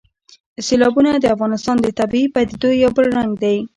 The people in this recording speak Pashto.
سیلابونه د افغانستان د طبیعي پدیدو یو بل رنګ دی.